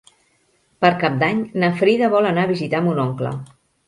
Per Cap d'Any na Frida vol anar a visitar mon oncle.